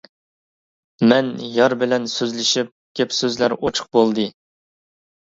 مەن يار بىلەن سۆزلىشىپ، گەپ-سۆزلەر ئوچۇق بولدى.